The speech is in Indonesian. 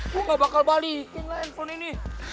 gue gak bakal balikin lah handphone ini